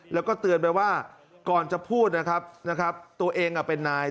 แล้วก็เตือนไปว่าก่อนจะพูดนะครับนะครับตัวเองเป็นนาย